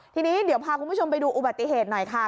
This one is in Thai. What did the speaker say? ทีนี้เดี๋ยวพาคุณผู้ชมไปดูอุบัติเหตุหน่อยค่ะ